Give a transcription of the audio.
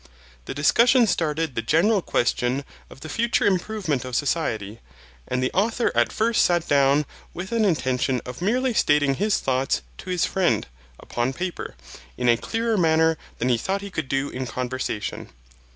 The discussion started the general question of the future improvement of society, and the Author at first sat down with an intention of merely stating his thoughts to his friend, upon paper, in a clearer manner than he thought he could do in conversation.